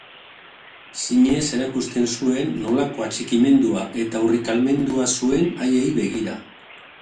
Zinez erakusten zuen nolako atxikimendua eta urrikalmendua zuen haiei begira.